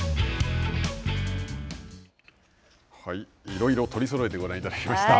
いろいろ取りそろえてご覧いただきました。